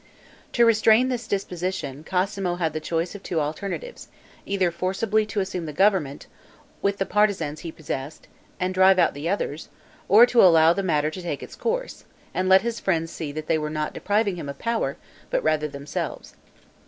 To restrain this disposition, Cosmo had the choice of two alternatives, either forcibly to assume the government, with the partisans he possessed, and drive out the others, or to allow the matter to take its course, and let his friends see they were not depriving him of power, but rather themselves.